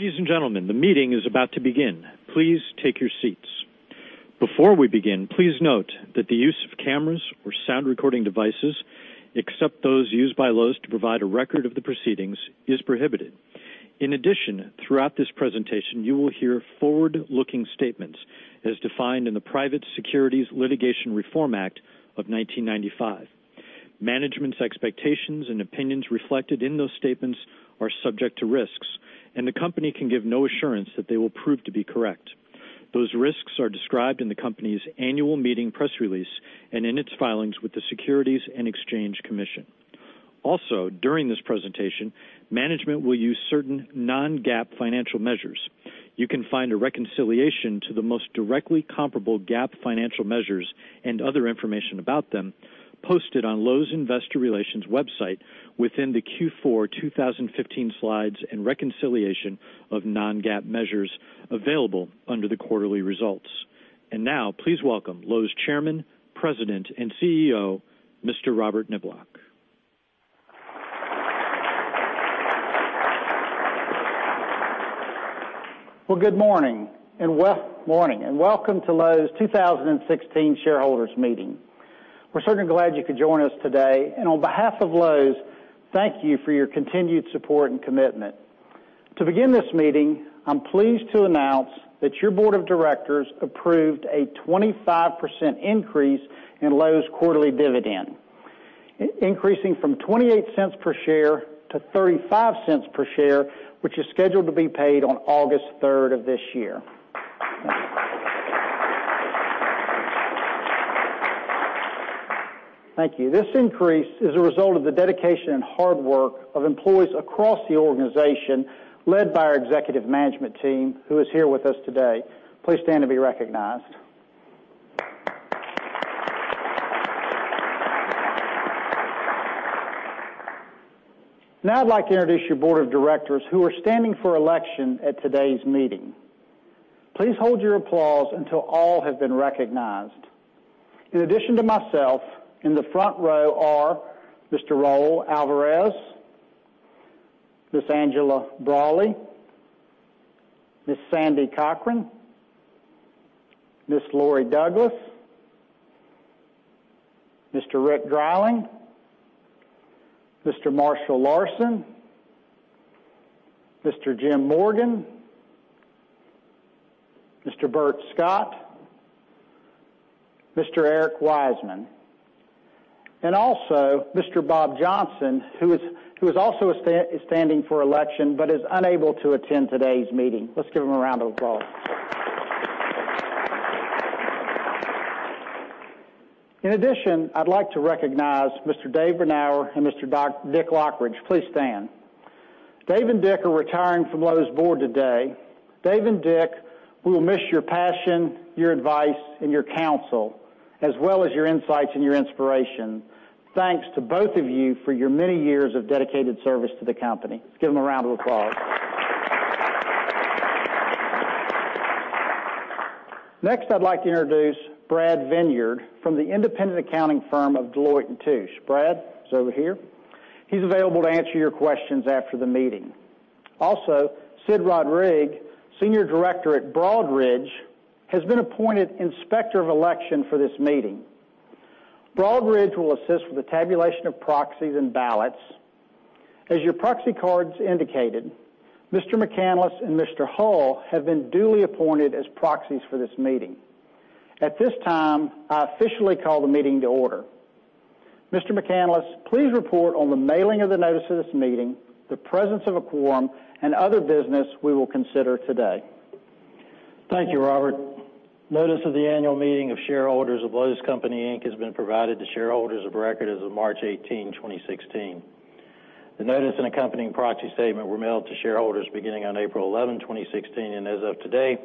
Ladies and gentlemen, the meeting is about to begin. Please take your seats. Before we begin, please note that the use of cameras or sound recording devices, except those used by Lowe's to provide a record of the proceedings, is prohibited. In addition, throughout this presentation, you will hear forward-looking statements as defined in the Private Securities Litigation Reform Act of 1995. Management's expectations and opinions reflected in those statements are subject to risks, and the company can give no assurance that they will prove to be correct. Those risks are described in the company's annual meeting press release and in its filings with the Securities and Exchange Commission. Also, during this presentation, management will use certain non-GAAP financial measures. You can find a reconciliation to the most directly comparable GAAP financial measures and other information about them posted on Lowe's Investor Relations website within the Q4 2015 slides and reconciliation of non-GAAP measures available under the quarterly results. Now please welcome Lowe's Chairman, President, and CEO, Mr. Robert Niblock. Well, good morning, and welcome to Lowe's 2016 Shareholders Meeting. We're certainly glad you could join us today, and on behalf of Lowe's, thank you for your continued support and commitment. To begin this meeting, I'm pleased to announce that your board of directors approved a 25% increase in Lowe's quarterly dividend, increasing from $0.28 per share to $0.35 per share, which is scheduled to be paid on August 3rd of this year. Thank you. This increase is a result of the dedication and hard work of employees across the organization, led by our executive management team, who is here with us today. Please stand to be recognized. Now I'd like to introduce your board of directors who are standing for election at today's meeting. Please hold your applause until all have been recognized. In addition to myself, in the front row are Mr. Raul Alvarez, Ms. Angela Braly, Ms. Sandy Cochran, Ms. Laurie Douglas, Mr. Rick Dreiling, Mr. Marshall Larsen, Mr. Jim Morgan, Mr. Bert Scott, Mr. Eric Wiseman, and also Mr. Bob Johnson, who is also standing for election but is unable to attend today's meeting. Let's give him a round of applause. In addition, I'd like to recognize Mr. Dave Bernauer and Mr. Dick Lochridge. Please stand. Dave and Dick are retiring from Lowe's board today. Dave and Dick, we will miss your passion, your advice, and your counsel, as well as your insights and your inspiration. Thanks to both of you for your many years of dedicated service to the company. Give them a round of applause. Next, I'd like to introduce Brad Vineyard from the independent accounting firm of Deloitte & Touche. Brad is over here. He's available to answer your questions after the meeting. Sid Rodrigue, Senior Director at Broadridge, has been appointed Inspector of Election for this meeting. Broadridge will assist with the tabulation of proxies and ballots. As your proxy cards indicated, Mr. McCanless and Mr. Hall have been duly appointed as proxies for this meeting. At this time, I officially call the meeting to order. Mr. McCanless, please report on the mailing of the notice of this meeting, the presence of a quorum, and other business we will consider today. Thank you, Robert. Notice of the annual meeting of shareholders of Lowe's Companies, Inc. has been provided to shareholders of record as of March 18, 2016. The notice and accompanying proxy statement were mailed to shareholders beginning on April 11, 2016, and as of today,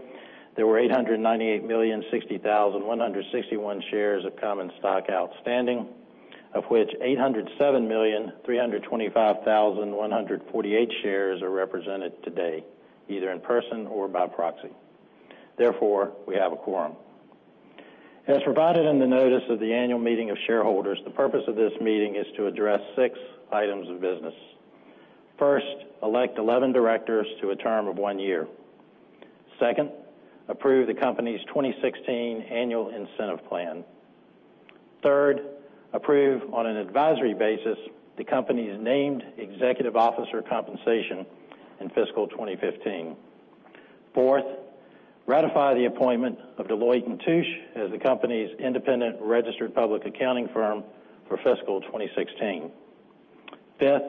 there were 898,060,161 shares of common stock outstanding, of which 807,325,148 shares are represented today, either in person or by proxy. Therefore, we have a quorum. As provided in the notice of the annual meeting of shareholders, the purpose of this meeting is to address six items of business. First, elect 11 directors to a term of one year. Second, approve the company's 2016 annual incentive plan. Third, approve, on an advisory basis, the company's named executive officer compensation in fiscal 2015. Fourth, ratify the appointment of Deloitte & Touche as the company's independent registered public accounting firm for fiscal 2016. Fifth,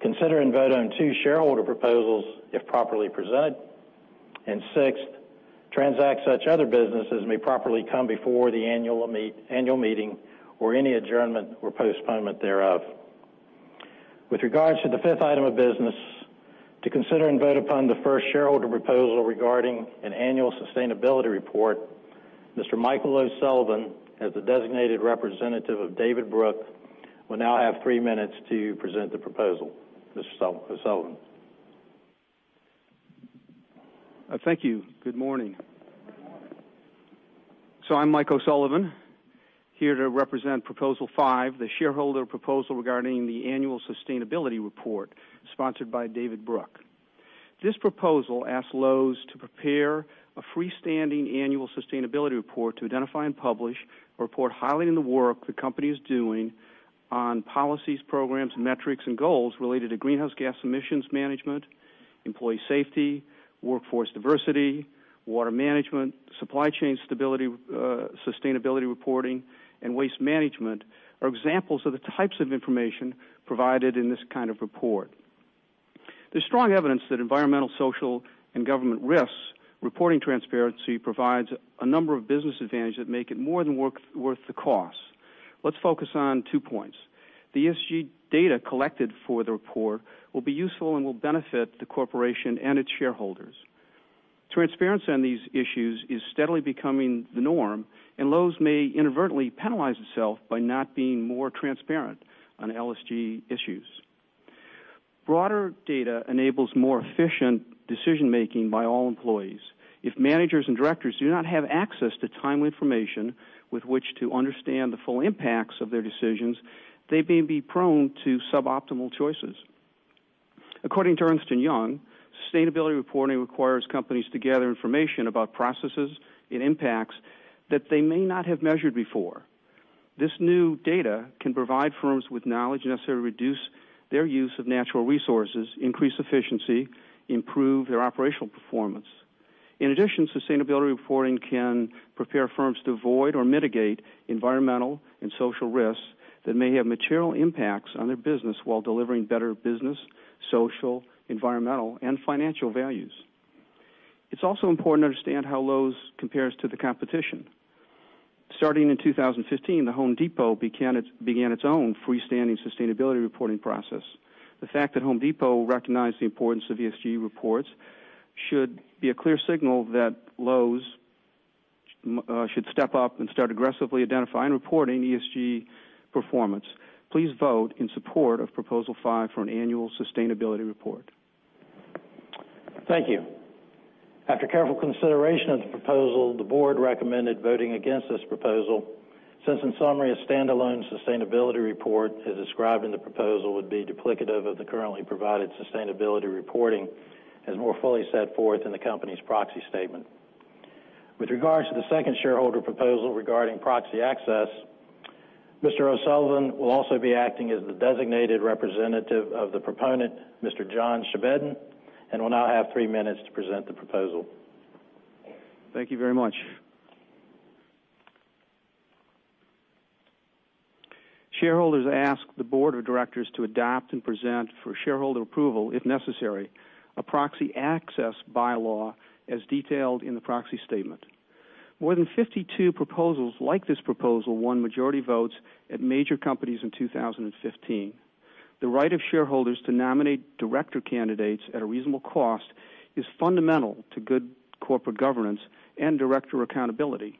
consider and vote on two shareholder proposals if properly presented, and sixth, transact such other business as may properly come before the annual meeting or any adjournment or postponement thereof. With regards to the fifth item of business, to consider and vote upon the first shareholder proposal regarding an annual sustainability report, Mr. Michael O. Sullivan, as the designated representative of David Brook, will now have three minutes to present the proposal. Mr. Sullivan. Thank you. Good morning. I'm Mike O'Sullivan, here to represent Proposal 5, the shareholder proposal regarding the annual sustainability report sponsored by David Brook. This proposal asks Lowe's to prepare a freestanding annual sustainability report to identify and publish a report highlighting the work the company is doing on policies, programs, metrics, and goals related to greenhouse gas emissions management, employee safety, workforce diversity, water management, supply chain sustainability reporting, and waste management are examples of the types of information provided in this kind of report. There's strong evidence that environmental, social, and governance risks reporting transparency provides a number of business advantages that make it more than worth the cost. Let's focus on two points. The ESG data collected for the report will be useful and will benefit the corporation and its shareholders. Transparency on these issues is steadily becoming the norm. Lowe's may inadvertently penalize itself by not being more transparent on ESG issues. Broader data enables more efficient decision-making by all employees. If managers and directors do not have access to timely information with which to understand the full impacts of their decisions, they may be prone to suboptimal choices. According to Ernst & Young, sustainability reporting requires companies to gather information about processes and impacts that they may not have measured before. This new data can provide firms with knowledge necessary to reduce their use of natural resources, increase efficiency, improve their operational performance. In addition, sustainability reporting can prepare firms to avoid or mitigate environmental and social risks that may have material impacts on their business while delivering better business, social, environmental, and financial values. It's also important to understand how Lowe's compares to the competition. Starting in 2015, The Home Depot began its own freestanding sustainability reporting process. The fact that The Home Depot recognized the importance of ESG reports should be a clear signal that Lowe's should step up and start aggressively identifying and reporting ESG performance. Please vote in support of Proposal Five for an annual sustainability report. Thank you. After careful consideration of the proposal, the board recommended voting against this proposal, since in summary, a standalone sustainability report, as described in the proposal, would be duplicative of the currently provided sustainability reporting, as more fully set forth in the company's proxy statement. With regards to the second shareholder proposal regarding proxy access, Mr. O'Sullivan will also be acting as the designated representative of the proponent, Mr. John Chevedden, and will now have three minutes to present the proposal. Thank you very much. Shareholders ask the board of directors to adopt and present for shareholder approval, if necessary, a proxy access bylaw as detailed in the proxy statement. More than 52 proposals like this proposal won majority votes at major companies in 2015. The right of shareholders to nominate director candidates at a reasonable cost is fundamental to good corporate governance and director accountability.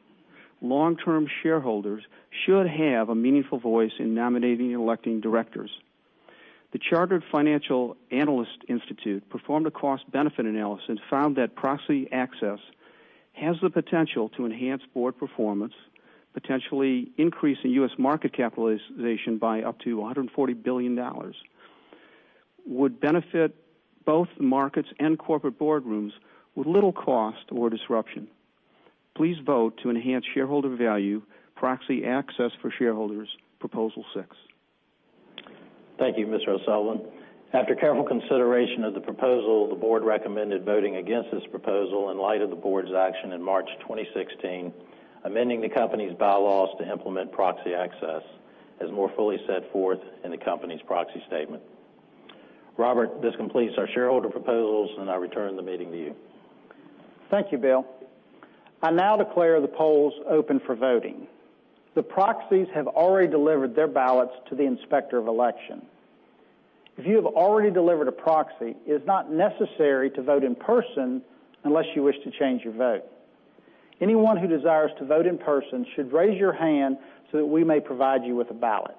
Long-term shareholders should have a meaningful voice in nominating and electing directors. The Chartered Financial Analyst Institute performed a cost-benefit analysis and found that proxy access has the potential to enhance board performance, potentially increasing U.S. market capitalization by up to $140 billion, would benefit both markets and corporate boardrooms with little cost or disruption. Please vote to enhance shareholder value, proxy access for shareholders, Proposal Six. Thank you, Mr. O'Sullivan. After careful consideration of the proposal, the board recommended voting against this proposal in light of the board's action in March 2016, amending the company's bylaws to implement proxy access as more fully set forth in the company's proxy statement. Robert, this completes our shareholder proposals, I return the meeting to you. Thank you, Bill. I now declare the polls open for voting. The proxies have already delivered their ballots to the Inspector of Election. If you have already delivered a proxy, it is not necessary to vote in person unless you wish to change your vote. Anyone who desires to vote in person should raise your hand so that we may provide you with a ballot.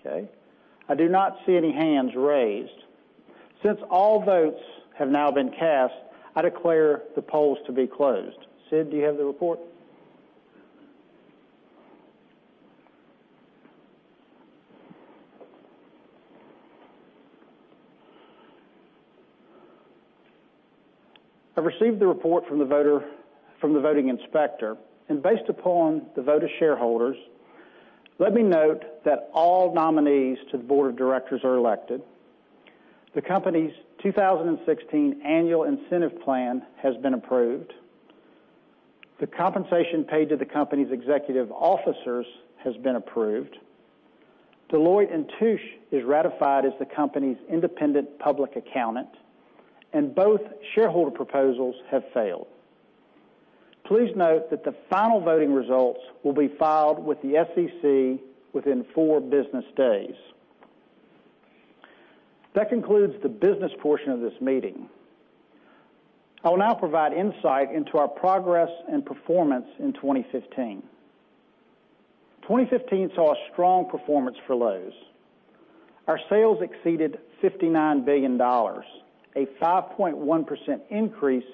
Okay. I do not see any hands raised. Since all votes have now been cast, I declare the polls to be closed. Sid, do you have the report? I've received the report from the voting inspector, based upon the vote of shareholders, let me note that all nominees to the board of directors are elected. The company's 2016 annual incentive plan has been approved. The compensation paid to the company's executive officers has been approved. Deloitte & Touche is ratified as the company's independent public accountant, both shareholder proposals have failed. Please note that the final voting results will be filed with the SEC within four business days. That concludes the business portion of this meeting. I will now provide insight into our progress and performance in 2015. 2015 saw a strong performance for Lowe's. Our sales exceeded $59 billion, a 5.1% increase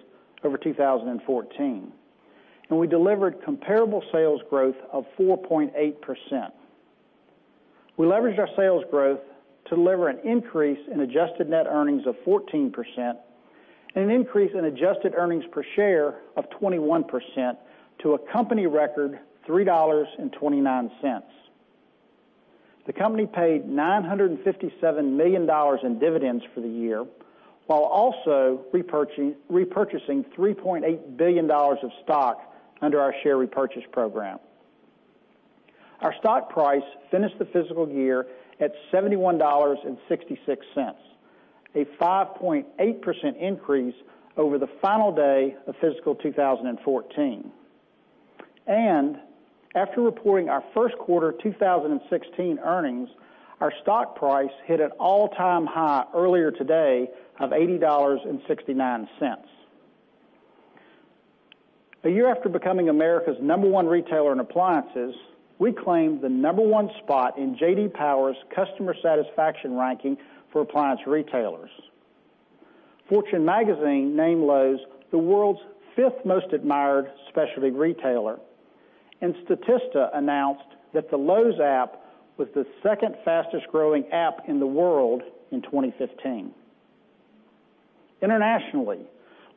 over 2014, we delivered comparable sales growth of 4.8%. We leveraged our sales growth to deliver an increase in adjusted net earnings of 14% and an increase in adjusted earnings per share of 21% to a company record $3.29. The company paid $957 million in dividends for the year, while also repurchasing $3.8 billion of stock under our share repurchase program. Our stock price finished the fiscal year at $71.66, a 5.8% increase over the final day of fiscal 2014. After reporting our first quarter 2016 earnings, our stock price hit an all-time high earlier today of $80.69. A year after becoming America's number one retailer in appliances, we claimed the number one spot in J.D. Power's customer satisfaction ranking for appliance retailers. Fortune Magazine named Lowe's the world's fifth-most admired specialty retailer, Statista announced that the Lowe's app was the second fastest-growing app in the world in 2015. Internationally,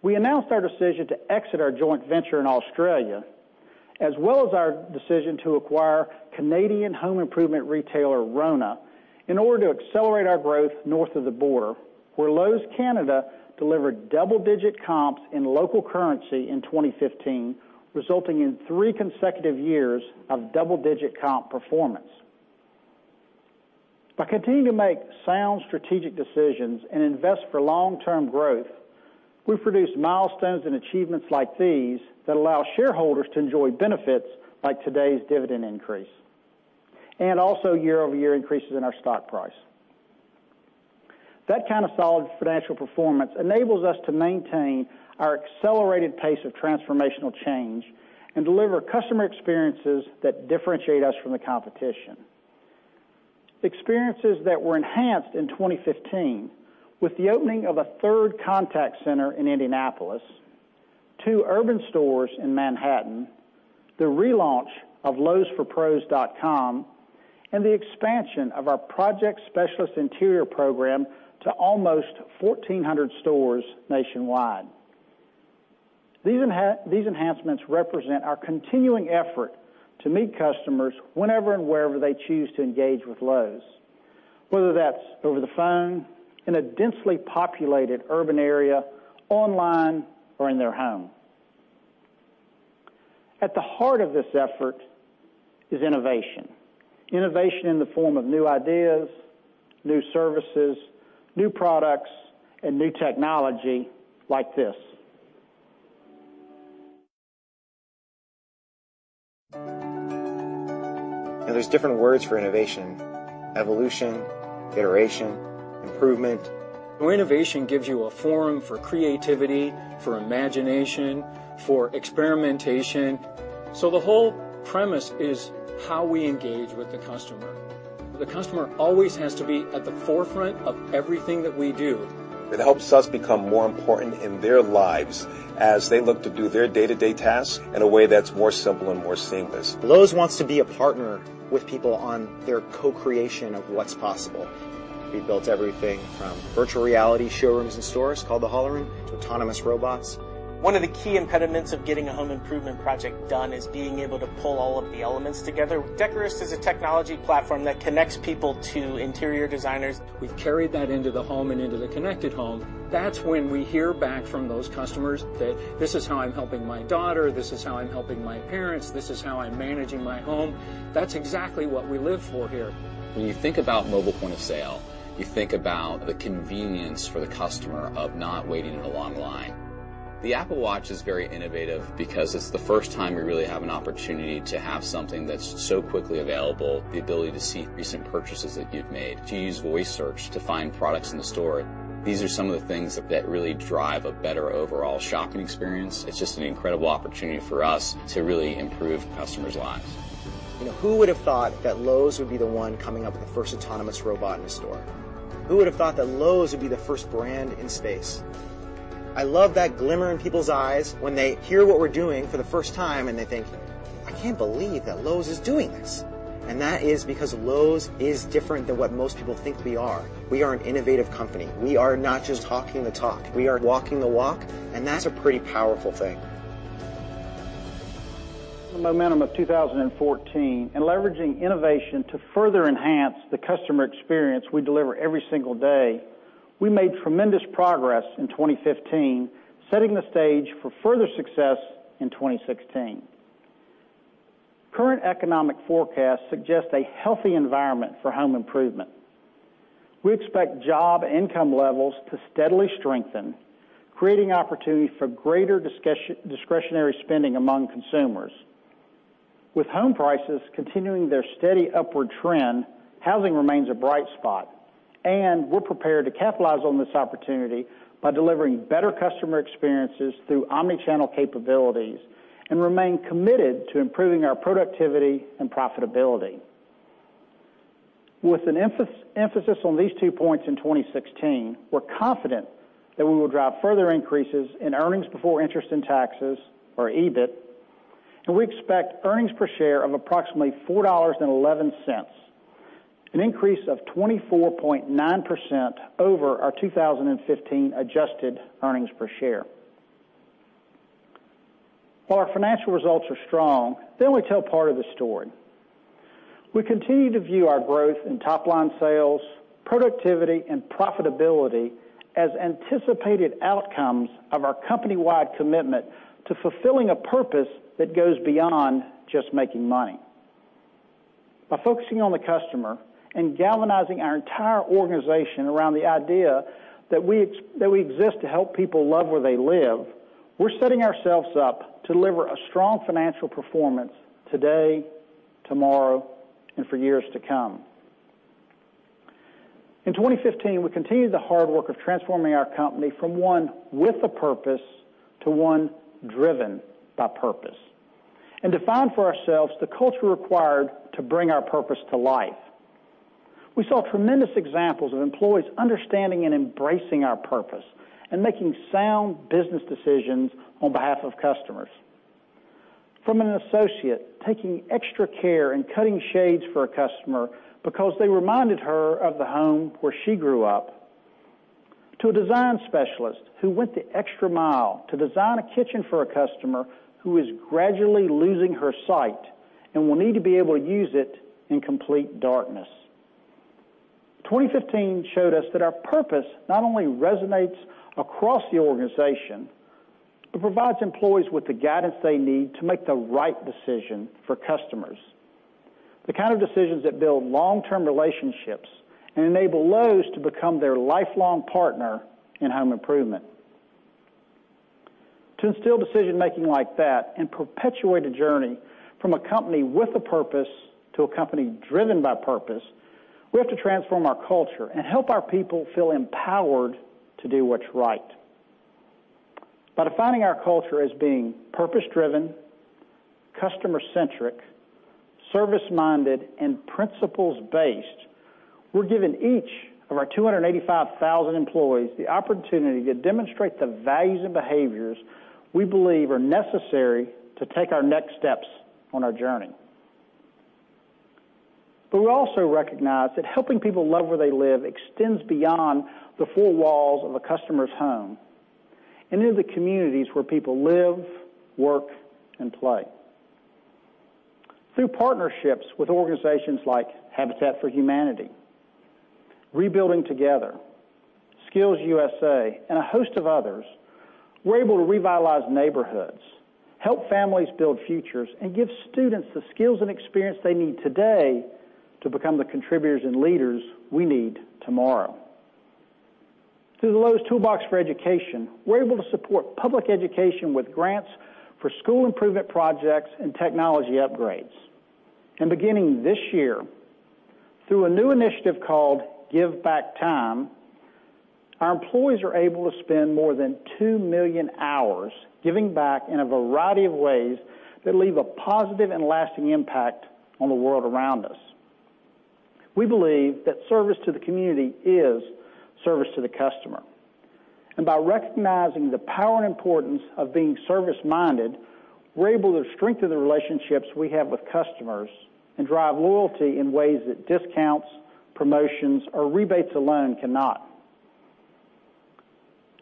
we announced our decision to exit our joint venture in Australia, as well as our decision to acquire Canadian home improvement retailer Rona in order to accelerate our growth north of the border, where Lowe's Canada delivered double-digit comps in local currency in 2015, resulting in three consecutive years of double-digit comp performance. By continuing to make sound strategic decisions and invest for long-term growth, we've produced milestones and achievements like these that allow shareholders to enjoy benefits like today's dividend increase and also year-over-year increases in our stock price. That kind of solid financial performance enables us to maintain our accelerated pace of transformational change and deliver customer experiences that differentiate us from the competition. Experiences that were enhanced in 2015 with the opening of a third contact center in Indianapolis, two urban stores in Manhattan, the relaunch of LowesForPros.com, and the expansion of our project specialist interior program to almost 1,400 stores nationwide. These enhancements represent our continuing effort to meet customers whenever and wherever they choose to engage with Lowe's, whether that's over the phone, in a densely populated urban area, online, or in their home. At the heart of this effort is innovation. Innovation in the form of new ideas, new services, new products, and new technology like this. Now, there's different words for innovation, evolution, iteration, improvement. Innovation gives you a forum for creativity, for imagination, for experimentation. The whole premise is how we engage with the customer. The customer always has to be at the forefront of everything that we do. It helps us become more important in their lives as they look to do their day-to-day tasks in a way that's more simple and more seamless. Lowe's wants to be a partner with people on their co-creation of what's possible. We've built everything from virtual reality showrooms in stores called the Holoroom to autonomous robots. One of the key impediments of getting a home improvement project done is being able to pull all of the elements together. Decorist is a technology platform that connects people to interior designers. We've carried that into the home and into the connected home. That's when we hear back from those customers that, "This is how I'm helping my daughter. This is how I'm helping my parents. This is how I'm managing my home." That's exactly what we live for here. When you think about mobile point of sale, you think about the convenience for the customer of not waiting in a long line. The Apple Watch is very innovative because it's the first time we really have an opportunity to have something that's so quickly available. The ability to see recent purchases that you've made, to use voice search to find products in the store. These are some of the things that really drive a better overall shopping experience. It's just an incredible opportunity for us to really improve customers' lives. Who would've thought that Lowe's would be the one coming up with the first autonomous robot in a store? Who would've thought that Lowe's would be the first brand in space? I love that glimmer in people's eyes when they hear what we're doing for the first time and they think, "I can't believe that Lowe's is doing this." That is because Lowe's is different than what most people think we are. We are an innovative company. We are not just talking the talk. We are walking the walk, and that's a pretty powerful thing. The momentum of 2014 and leveraging innovation to further enhance the customer experience we deliver every single day, we made tremendous progress in 2015, setting the stage for further success in 2016. Current economic forecasts suggest a healthy environment for home improvement. We expect job income levels to steadily strengthen, creating opportunities for greater discretionary spending among consumers. With home prices continuing their steady upward trend, housing remains a bright spot. We're prepared to capitalize on this opportunity by delivering better customer experiences through omni-channel capabilities and remain committed to improving our productivity and profitability. With an emphasis on these two points in 2016, we're confident that we will drive further increases in earnings before interest and taxes, or EBIT, and we expect earnings per share of approximately $4.11, an increase of 24.9% over our 2015 adjusted earnings per share. While our financial results are strong, they only tell part of the story. We continue to view our growth in top-line sales, productivity, and profitability as anticipated outcomes of our company-wide commitment to fulfilling a purpose that goes beyond just making money. By focusing on the customer and galvanizing our entire organization around the idea that we exist to help people love where they live, we're setting ourselves up to deliver a strong financial performance today, tomorrow, and for years to come. In 2015, we continued the hard work of transforming our company from one with a purpose to one driven by purpose and defined for ourselves the culture required to bring our purpose to life. We saw tremendous examples of employees understanding and embracing our purpose and making sound business decisions on behalf of customers. From an associate taking extra care in cutting shades for a customer because they reminded her of the home where she grew up, to a design specialist who went the extra mile to design a kitchen for a customer who is gradually losing her sight and will need to be able to use it in complete darkness. 2015 showed us that our purpose not only resonates across the organization, it provides employees with the guidance they need to make the right decision for customers, the kind of decisions that build long-term relationships and enable Lowe's to become their lifelong partner in home improvement. To instill decision-making like that and perpetuate a journey from a company with a purpose to a company driven by purpose, we have to transform our culture and help our people feel empowered to do what's right. By defining our culture as being purpose-driven, customer-centric, service-minded, and principles-based, we're giving each of our 285,000 employees the opportunity to demonstrate the values and behaviors we believe are necessary to take our next steps on our journey. We also recognize that helping people love where they live extends beyond the four walls of a customer's home and into the communities where people live, work, and play. Through partnerships with organizations like Habitat for Humanity, Rebuilding Together, SkillsUSA, and a host of others, we're able to revitalize neighborhoods, help families build futures, and give students the skills and experience they need today to become the contributors and leaders we need tomorrow. Through the Lowe's Toolbox for Education, we're able to support public education with grants for school improvement projects and technology upgrades. Beginning this year, through a new initiative called Give Back Time, our employees are able to spend more than 2 million hours giving back in a variety of ways that leave a positive and lasting impact on the world around us. We believe that service to the community is service to the customer. By recognizing the power and importance of being service-minded, we're able to strengthen the relationships we have with customers and drive loyalty in ways that discounts, promotions, or rebates alone cannot.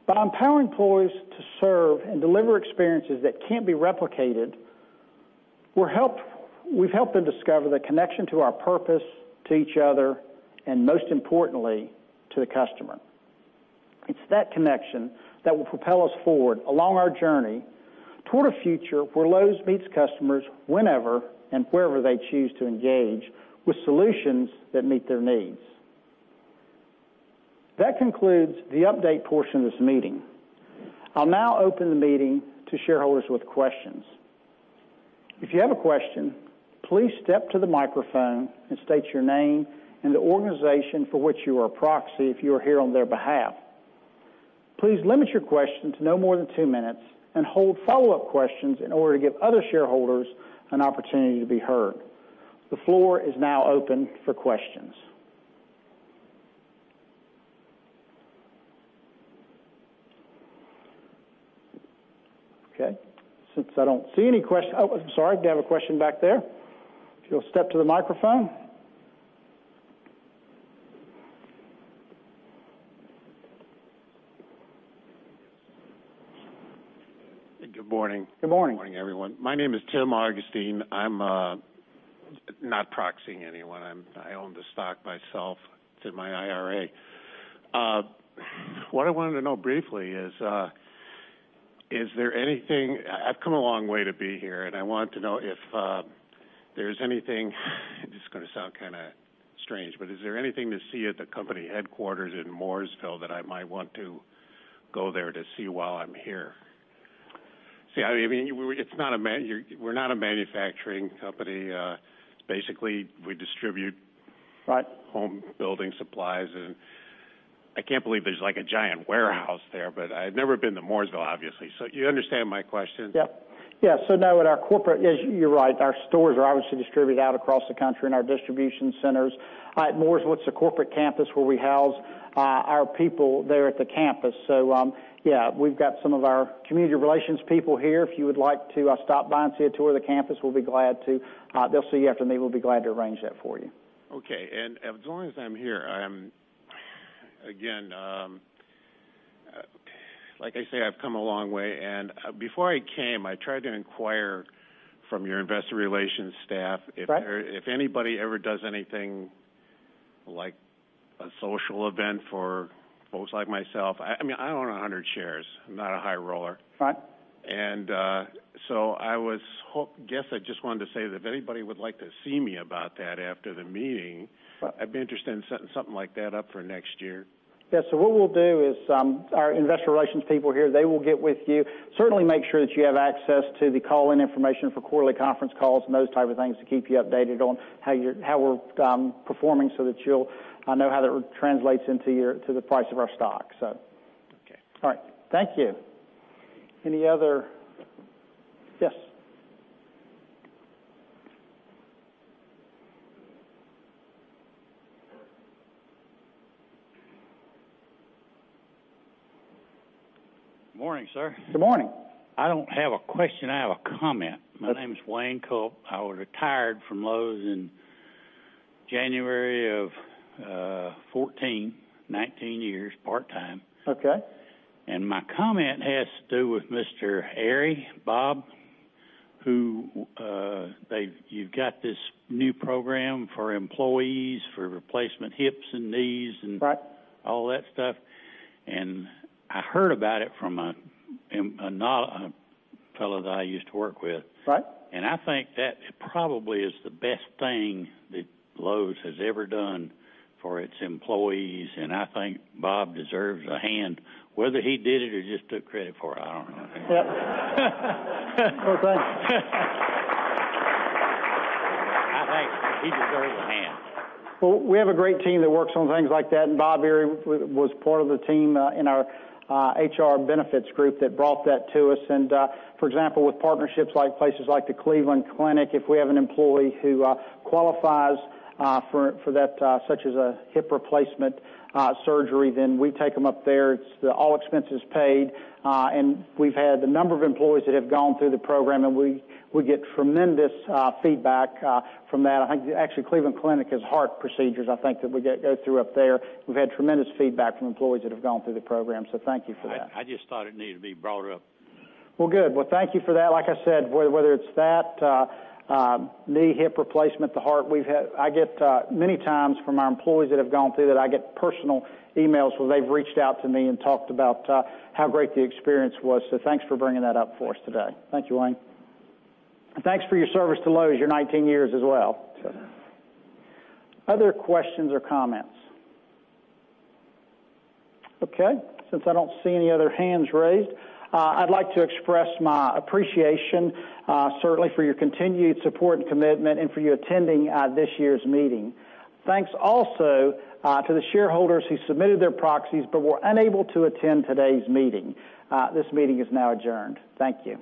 By empowering employees to serve and deliver experiences that can't be replicated, we've helped them discover the connection to our purpose, to each other, and most importantly, to the customer. It's that connection that will propel us forward along our journey toward a future where Lowe's meets customers whenever and wherever they choose to engage with solutions that meet their needs. That concludes the update portion of this meeting. I'll now open the meeting to shareholders with questions. If you have a question, please step to the microphone and state your name and the organization for which you are a proxy if you are here on their behalf. Please limit your question to no more than two minutes and hold follow-up questions in order to give other shareholders an opportunity to be heard. The floor is now open for questions. Okay. Since I don't see any. Oh, I'm sorry. We have a question back there. If you'll step to the microphone. Good morning. Good morning. Good morning, everyone. My name is Tim Augustine. I'm not proxying anyone. I own the stock myself. It's in my IRA. What I wanted to know briefly is, I've come a long way to be here, and I want to know if there's anything, this is going to sound strange, but is there anything to see at the company headquarters in Mooresville that I might want to go there to see while I'm here? See, we're not a manufacturing company. Basically, we distribute- Right home building supplies, and I can't believe there's a giant warehouse there, but I've never been to Mooresville, obviously. You understand my question? Yep. Yeah. No, at our corporate, yes, you're right, our stores are obviously distributed out across the country and our distribution centers. At Mooresville, it's the corporate campus where we house our people there at the campus. Yeah, we've got some of our community relations people here. If you would like to stop by and see a tour of the campus, we'll be glad to. They'll see you after, and they will be glad to arrange that for you. Okay. As long as I'm here, again, like I say, I've come a long way and before I came, I tried to inquire from your investor relations staff Right if anybody ever does anything like a social event for folks like myself. I own 100 shares. I'm not a high roller. Right. I guess I just wanted to say that if anybody would like to see me about that after the meeting. Right I'd be interested in setting something like that up for next year. Yeah. What we'll do is, our investor relations people are here. They will get with you. Certainly make sure that you have access to the call-in information for quarterly conference calls and those type of things to keep you updated on how we're performing so that you'll know how that translates into the price of our stock. Okay. All right. Thank you. Any other Yes. Good morning, sir. Good morning. I don't have a question, I have a comment. Okay. My name is Wayne Culp. I was retired from Lowe's in January of 2014, 19 years part-time. Okay. My comment has to do with Mr. Ihrie, Bob Ihrie, who you've got this new program for employees for replacement hips and knees and Right All that stuff. I heard about it from a fellow that I used to work with. Right. I think that probably is the best thing that Lowe's has ever done for its employees. I think Bob deserves a hand, whether he did it or just took credit for it, I don't know. Yep. Well, thanks. I think he deserves a hand. Well, we have a great team that works on things like that. Bob Ihrie was part of the team in our HR benefits group that brought that to us. For example, with partnerships like places like the Cleveland Clinic, if we have an employee who qualifies for that, such as a hip replacement surgery, then we take them up there. It's all expenses paid. We've had a number of employees that have gone through the program, and we get tremendous feedback from that. I think, actually, Cleveland Clinic has heart procedures, I think, that go through up there. We've had tremendous feedback from employees that have gone through the program. Thank you for that. I just thought it needed to be brought up. Well, good. Thank you for that. Like I said, whether it's that knee hip replacement, the heart, I get many times from our employees that have gone through that, I get personal emails where they've reached out to me and talked about how great the experience was. Thanks for bringing that up for us today. Thank you, Wayne. Thanks for your service to Lowe's, your 19 years as well. Other questions or comments? Okay, since I don't see any other hands raised, I'd like to express my appreciation certainly for your continued support and commitment and for you attending this year's meeting. Thanks also to the shareholders who submitted their proxies but were unable to attend today's meeting. This meeting is now adjourned. Thank you.